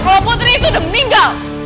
kalau putri itu udah meninggal